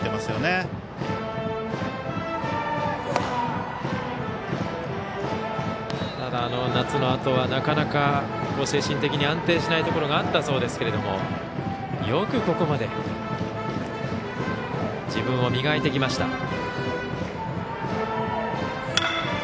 ただ、あの夏のあとはなかなか精神的に安定しないところがあったそうですけれどもよく、ここまで自分を磨いてきました。